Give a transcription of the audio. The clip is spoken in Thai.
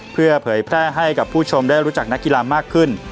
เพื่อเผยแพร่ให้กับผู้ชมได้รู้จักนักกีฬามากขึ้น